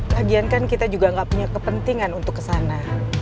lagian kan kita juga gak punya kepentingan untuk kesana